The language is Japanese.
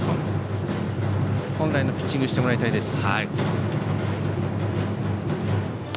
本来のピッチングをしてもらいたいです。